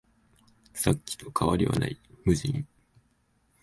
さっきと変わりはない、無人